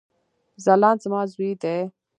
ځلاند زما ځوي دی